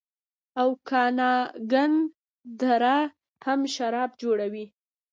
اوکاناګن دره هم شراب جوړوي.